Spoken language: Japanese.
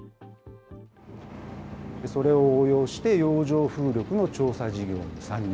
それを応用して、洋上風力の調査事業に参入。